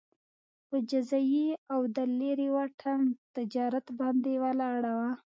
په جزیې او د لېرې واټن تجارت باندې ولاړه وه